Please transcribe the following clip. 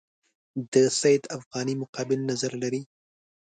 د سید افغاني مقابل نظر لري.